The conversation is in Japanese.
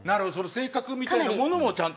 性格みたいなものもちゃんと。